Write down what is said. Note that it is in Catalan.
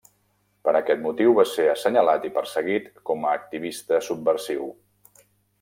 Per aquest motiu va ser assenyalat i perseguit com a activista subversiu.